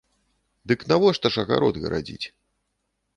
Дык навошта ж агарод гарадзіць?